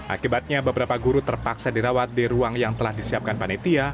akibatnya beberapa guru terpaksa dirawat di ruang yang telah disiapkan panitia